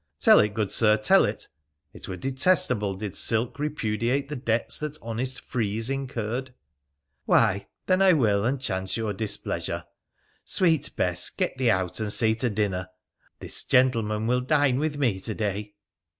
'Tell it, good Sir, tell it! It were detestable did silk repudiate the debts that honest frieze incurred.' ' Why, then, I will, and chance your displeasure. Sweet Bess, get thee out and see to dinner. This gentleman will dine with me to day